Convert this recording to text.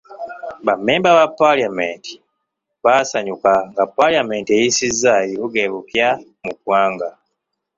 Ba mmemba ba paalamenti baasanyuka nga paalamenti eyisizza ebibuga ebipya mu ggwanga .